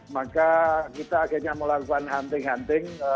maka kita akhirnya melakukan hunting hunting